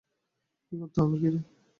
কি করতে কি করে বসবে।